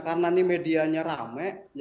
karena ini medianya ramai